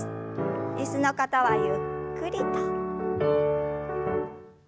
椅子の方はゆっくりと。